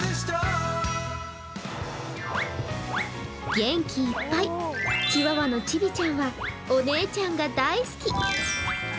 元気いっぱい、チワワのちびちゃんはお姉ちゃんが大好き。